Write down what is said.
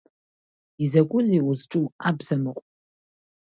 Закәызеи узҽу, абзамыҟә?